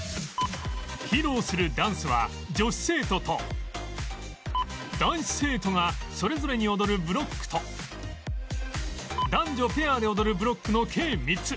披露するダンスは女子生徒と男子生徒がそれぞれに踊るブロックと男女ペアで踊るブロックの計３つ